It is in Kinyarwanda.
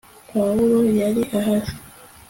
pawulo yari ahari